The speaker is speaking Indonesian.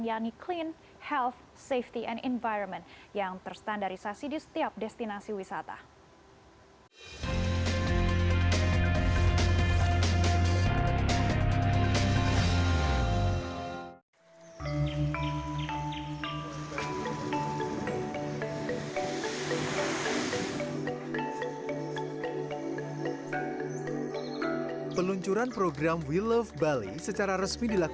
yang clean health safety and environment yang terstandarisasi di setiap destinasi wisata